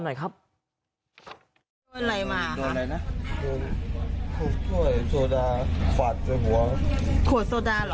หน่อยครับโดยอะไรมาโดยอะไรนะโดยโซดาฝาดในหัวขวดโซดาเหรอ